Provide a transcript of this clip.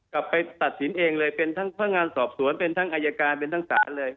กลับไปตัดสินเองเลยเป็นทั้งพนักงานสอบสวนเป็นทั้งอายการเป็นทั้งศาลเลย